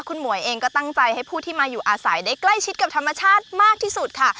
คุณหมวยเองก็ตั้งใจให้ผู้ที่มาอยู่อาศัยได้ใกล้ชิดกับธรรมชาติมากที่สุดค่ะ